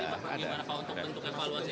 bagaimana pak untuk bentukan evaluasi